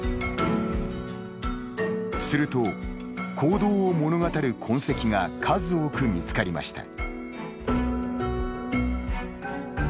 すると、行動を物語る痕跡が数多く見つかりました。